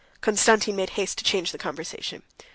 Konstantin made haste to change the conversation.